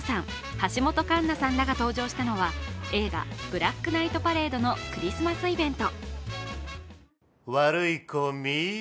橋本環奈さんらが登場した映画「ブラックナイトパレード」のクリスマスイベント。